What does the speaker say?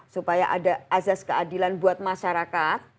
supaya ada azas keadilan buat masyarakat